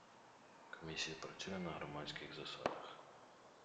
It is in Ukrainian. Комісія працює на громадських засадах.